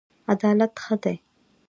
عدالت ښه دی.